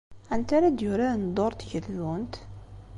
Anta ara d-yuraren dduṛ n tgeldunt?